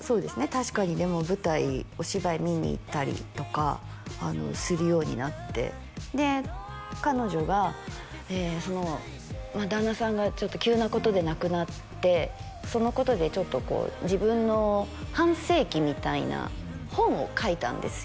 確かに舞台お芝居見に行ったりとかするようになってで彼女が旦那さんがちょっと急なことで亡くなってそのことでちょっとこう自分の半世紀みたいな本を書いたんですよ